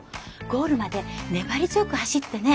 ゴールまで粘り強く走ってね。